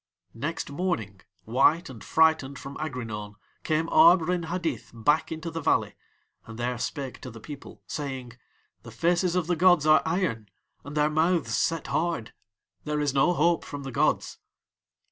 Next morning, white and frightened from Aghrinaun, came Arb Rin Hadith back into the valley, and there spake to the people, saying: "The faces of the gods are iron and their mouths set hard. There is no hope from the gods."